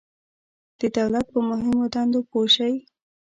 د دولت په مهمو دندو پوه شئ.